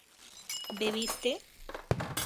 ¿bebiste?